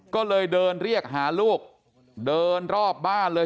ก็เลยเดินเรียกหาลูกเดินรอบบ้านเลย